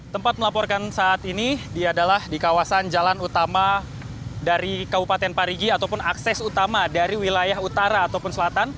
tempat melaporkan saat ini dia adalah di kawasan jalan utama dari kabupaten parigi ataupun akses utama dari wilayah utara ataupun selatan